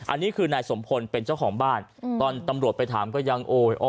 อันนี้คือนายสมพลเป็นเจ้าของบ้านตอนตำรวจไปถามก็ยังโอ้ย